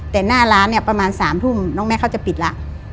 แต่หน้าร้านเนี่ยประมาณ๓ทุ่มน้องแม่เขาจะปิดละ